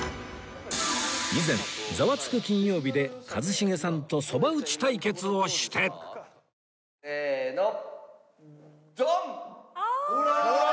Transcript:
以前『ザワつく！金曜日』で一茂さんとそば打ち対決をしてせーのドン！あーっ！